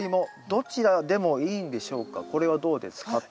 これはどうですか？と。